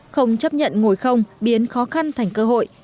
không chấp nhận ngồi không biến khó khăn thành cơ hội